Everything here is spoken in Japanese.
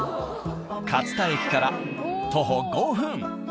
勝田駅から徒歩５分。